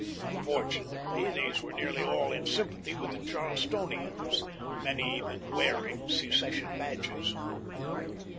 Unfortunately, these wrere nearly all in sympathy with the Charlestonians, many even wearing secession badges.